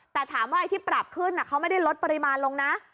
แต่ถามว่าไอ้ที่ปรับขึ้นเขาไม่ได้ลดปริมาณลงนะ